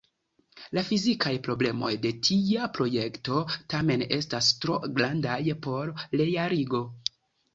La fizikaj problemoj de tia projekto tamen estas tro grandaj por realigo.